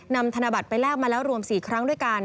ธนบัตรไปแลกมาแล้วรวม๔ครั้งด้วยกัน